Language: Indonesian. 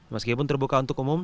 meskipun terbuka untuk umum